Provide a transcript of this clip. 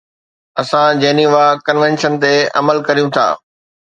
اسان Geneva convention تي عمل ڪريون ٿا.